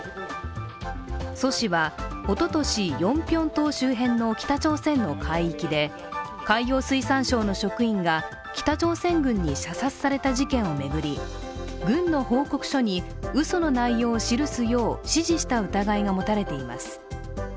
ソ氏は、おととしヨンピョン島周辺の北朝鮮の海域で海洋水産省の職員が北朝鮮軍に射殺された事件を巡り、軍の報告書にうその内容を記すよう指示した疑いが持たれています。